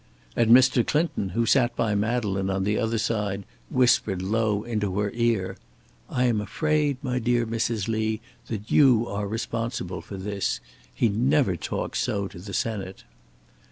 And Mr. Clinton, who sat by Madeleine on the other side, whispered low into her ear: "I am afraid, my dear Mrs. Lee, that you are responsible for this. He never talks so to the Senate."